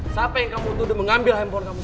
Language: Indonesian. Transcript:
siapa yang kamu tuduh mengambil handphone kamu